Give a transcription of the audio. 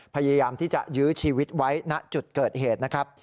พยายามที่จะยื้อชีวิตไว้ณจุดเกิดเหตุนะครับ